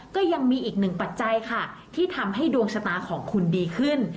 ก็ยังมีอีกหนึ่งปัจจัยค่ะที่ทำให้ดวงชะตาของคุณดีขึ้น